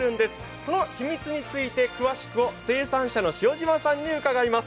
その秘密について詳しくを生産者の塩島さんに伺います。